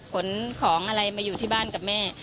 ขนของอะไรมาอยู่ที่บ้านกับแม่